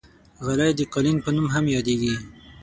غالۍ د قالین په نوم هم یادېږي.